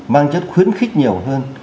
mang chất khuyến khích nhiều hơn